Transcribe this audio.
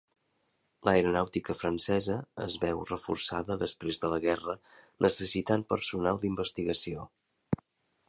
L'aeronàutica francesa es véu reforçada després de la guerra, necessitant personal d'investigació.